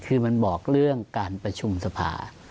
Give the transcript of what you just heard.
คือมันบอกเรื่องการประชุมสภา